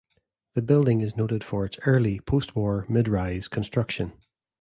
The building is noted for its early post-war mid-rise construction.